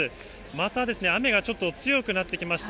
また雨がちょっと強くなってきました。